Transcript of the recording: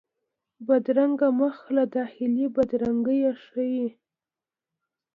بدرنګه مخ له داخلي بدرنګي ښيي